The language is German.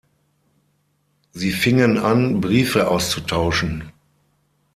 Sie fingen an, Briefe auszutauschen.